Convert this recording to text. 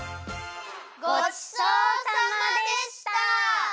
ごちそうさまでした！